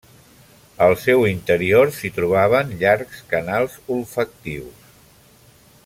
Al seu interior s'hi trobaven llargs canals olfactius.